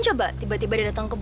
cause ibu kandung gue